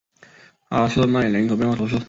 朗瑟奈人口变化图示